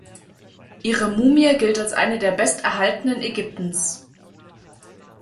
Ihre Mumie gilt als eine der besterhaltenen Ägyptens.